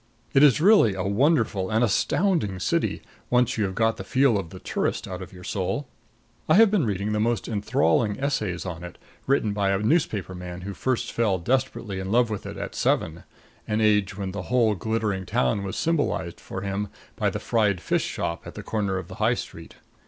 It is really a wonderful, an astounding city, once you have got the feel of the tourist out of your soul. I have been reading the most enthralling essays on it, written by a newspaper man who first fell desperately in love with it at seven an age when the whole glittering town was symbolized for him by the fried fish shop at the corner of the High Street.